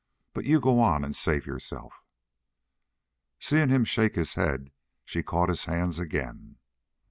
But you go on and save yourself." Seeing him shake his head, she caught his hands again.